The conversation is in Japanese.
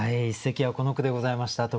一席はこの句でございました。